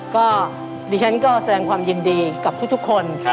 ก็ดิฉันก็แสดงความยินดีกับทุกคน